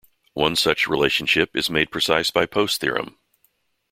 One such relationship is made precise by Post's theorem.